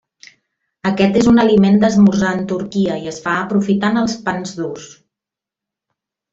Aquest és un aliment d'esmorzar en Turquia i es fa aprofitant els pans durs.